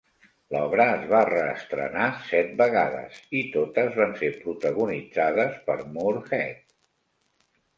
L'obra es va reestrenar set vegades, i totes van ser protagonitzades per Moorehead.